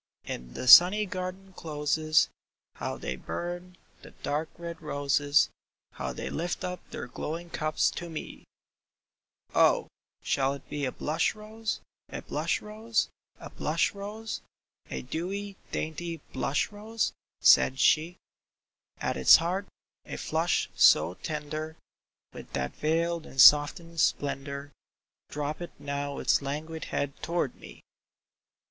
*' In the sunny garden closes, How they burn, the dark red roses, How they lift up their glowing cups to me !" *'Oh, shall it be a blush rose, a blush rose, a blush rose, A dewy, dainty blush rose ?" said she. " At its heart a flush so tender, With what veiled and softened splendor Droopeth now its languid head toward me